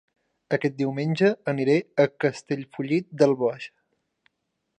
Aquest diumenge aniré a Castellfollit del Boix